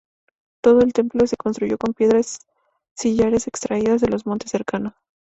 Todo el templo se construyó con piedras sillares extraídas de los montes cercanos.